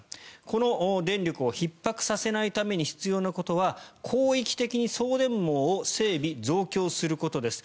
この電力をひっ迫させないために必要なことは広域的に送電網を整備・増強することです。